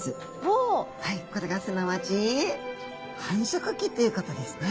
これがすなわち繁殖期ということですね。